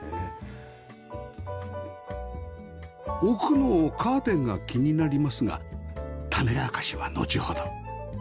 奥のカーテンが気になりますが種明かしはのちほど